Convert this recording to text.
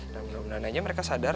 dan bener bener aja mereka sadar